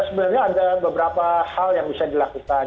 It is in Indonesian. sebenarnya ada beberapa hal yang bisa dilakukan